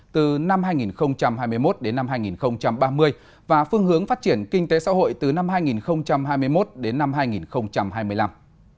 từ năm hai nghìn hai mươi một đến năm hai nghìn ba mươi và phương hướng phát triển kinh tế xã hội từ năm hai nghìn hai mươi một đến năm hai nghìn hai mươi năm